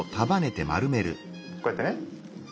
こうやってね。